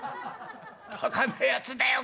バカなやつだよ